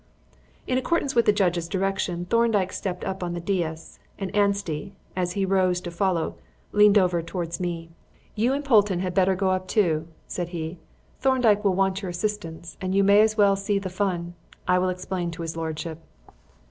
In accordance with the judge's direction Thorndyke stepped up on the dais, and Anstey, as he rose to follow, leaned over towards me. "You and Polton had better go up too," said he: "Thorndyke will want your assistance, and you may as well see the fun. I will explain to his lordship."